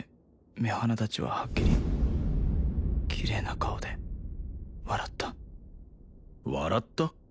目鼻立ちははっきりキレイな顔で笑った笑った？